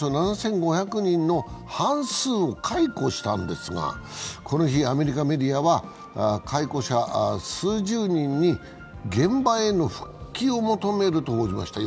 およそ７５００人の半数を解雇したんですが、この日、アメリカメディアは解雇者数十人に現場への復帰を求めると報じました。